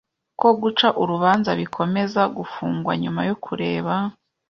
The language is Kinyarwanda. ko guca urubanza bikomeza gufungwa nyuma yo kureba -